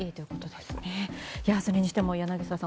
それにしても、柳澤さん